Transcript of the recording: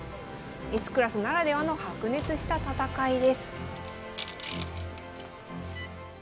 Ｓクラスならではの白熱した戦いです。